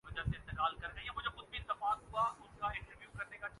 ایساکچھ نہیں ہوا۔